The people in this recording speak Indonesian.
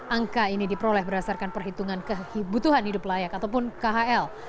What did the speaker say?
angka ini diperoleh berdasarkan perhitungan kebutuhan hidup layak ataupun khl